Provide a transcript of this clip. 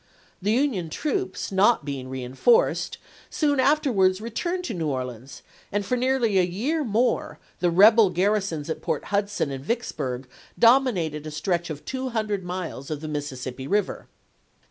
The Union troops, not be ing reenf orced, soon afterwards returned to New Or leans, and for nearly a year more the rebel garrisons at Port Hudson and Vicksburg dominated a stretch of two hundred miles of the Mississippi River.